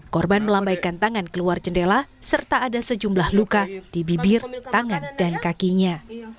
korban melambaikan tangan keluar jendela serta ada sejumlah luka di bibir tangan dan kakinya